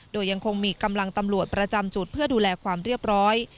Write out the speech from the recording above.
โดยยังคงมีกำลังตำรวจประจำจุดเพื่อดูแลความเรียบร้อย